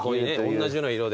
同じような色で。